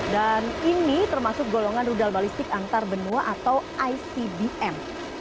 dan ini termasuk golongan rudal balistik antarbenua atau icbm